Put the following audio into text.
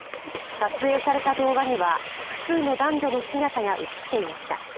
撮影された動画には複数の男女の姿が映っていました。